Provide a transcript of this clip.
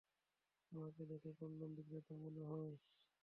আমাকে দেখে কনডম-বিক্রেতা মনে হয়?